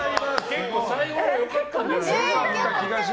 結構最後のほう良かったんじゃない？